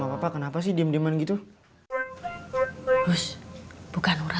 apa yangstart air pengang dua dua berdua